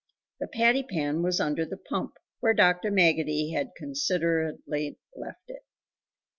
The patty pan was under the pump, where Dr Maggotty had considerately left it.